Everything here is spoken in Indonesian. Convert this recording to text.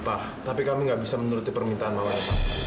aku mau ke rumah